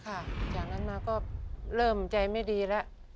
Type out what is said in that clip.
จากนั้นมาก็เริ่มใจไม่ดีแล้ว